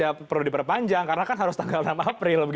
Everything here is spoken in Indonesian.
karena harus tanggal enam april